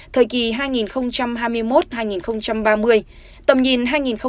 thời kỳ hai nghìn hai mươi một hai nghìn ba mươi tầm nhìn hai nghìn năm mươi